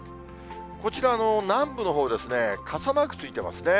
こちらは南部のほうですね、傘マークついてますね。